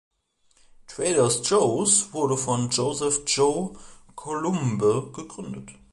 Trader Joe's wurde von Joseph „Joe“ Coulombe gegründet.